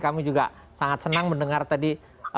kami juga sangat senang mendengar tadi